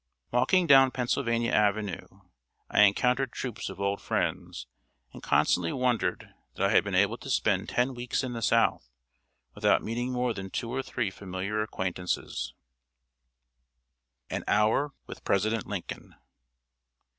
Walking down Pennsylvania avenue, I encountered troops of old friends, and constantly wondered that I had been able to spend ten weeks in the South, without meeting more than two or three familiar acquaintances. [Sidenote: AN HOUR WITH PRESIDENT LINCOLN.